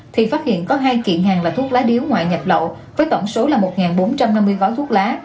thì phát hiện có hai kiện hàng là thuốc lá điếu ngoại nhập lậu với tổng số là một bốn trăm năm mươi gói thuốc lá